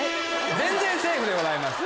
全然セーフでございます。